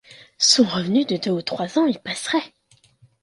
Son revenu de deux ou trois ans y passerait !…